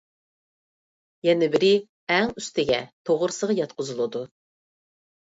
يەنە بىرى ئەڭ ئۈستىگە توغرىسىغا ياتقۇزۇلىدۇ.